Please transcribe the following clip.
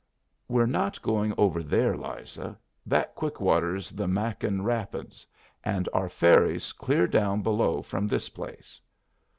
"We're not going over there, Liza. That quick water's the Mahkin Rapids, and our ferry's clear down below from this place."